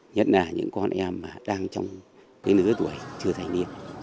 nhất là những con em đang trong cái nửa tuổi chưa thành niên